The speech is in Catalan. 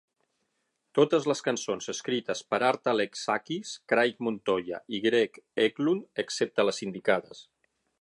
Totes les cançons escrites per Art Alexakis, Craig Montoya i Greg Eklund, excepte les indicades.